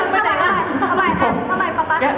มาใหม่ป่าว